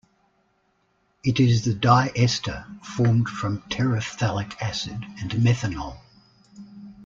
It is the diester formed from terephthalic acid and methanol.